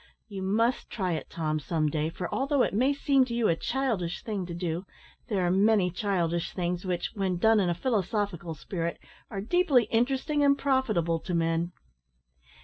You must try it, Tom, some day, for although it may seem to you a childish thing to do, there are many childish things which, when done in a philosophical spirit, are deeply interesting and profitable to men."